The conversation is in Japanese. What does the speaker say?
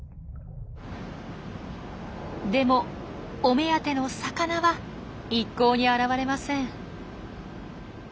でもお目当ての魚は一向に現れません。